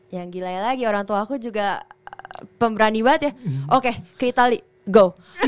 yang gila lagi orangtuaku juga pemberani banget ya oke ke itali go